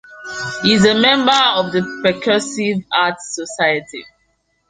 He is a member of the Percussive Arts Society.